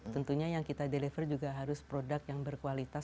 tentunya yang kita deliver juga harus produk yang berkualitas